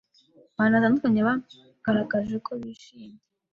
Abantu batandukanye bagaragaje ko bishimye